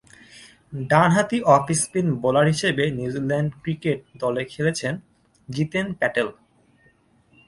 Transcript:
ডানহাতি off spin bowler হিসেবে New Zealand cricket দলে খেলেছেন জিতেন প্যাটেল।